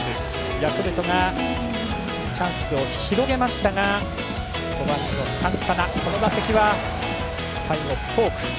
ヤクルトがチャンスを広げましたが５番のサンタナこの打席は最後フォーク。